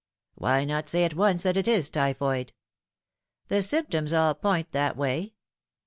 " Why not say at once that it is typhoid ?"" The symptoms all point that way."